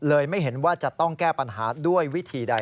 ไม่เห็นว่าจะต้องแก้ปัญหาด้วยวิธีใด